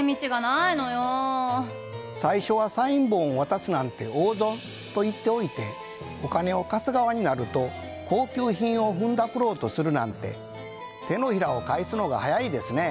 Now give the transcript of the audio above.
最初はサイン本を渡すなんて大損と言っておいてお金を貸す側になると高級品をふんだくろうとするなんて手のひらを返すのが早いですね。